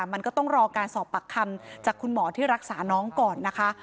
มันก็ต้องรอการสอบปากคำจากคุณหมอที่รักษาน้องก่อนนะคะ